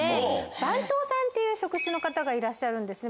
番頭さんっていう職種の方がいらっしゃるんですね。